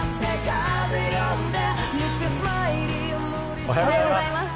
おはようございます。